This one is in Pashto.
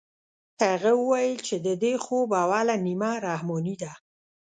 هغه وويل چې د دې خوب اوله نيمه رحماني ده.